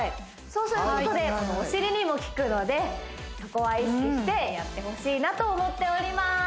そうすることでお尻にも効くのでそこは意識してやってほしいなと思っております！